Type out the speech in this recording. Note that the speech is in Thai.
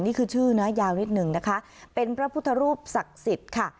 นี่คือชื่อนะยาวนิดหนึ่งนะคะเป็นพระพุทธรูปศักดิ์สิทธิ์ค่ะ